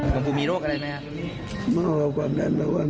คุณผู้มีโรคอะไรไหมครับ